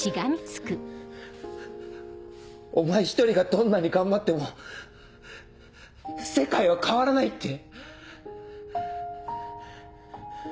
お前一人がどんなに頑張っても世界は変わらないって。